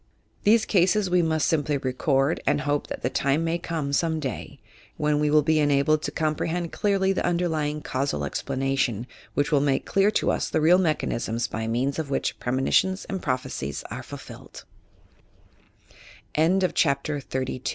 These cases we must simply record and hope that the time may come some day, when we will be enabled to comprehend clearly the underlying causal explanation which will make clear to us the real mechanism by means of which premoni tions and